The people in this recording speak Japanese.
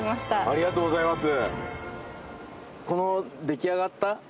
ありがとうございます。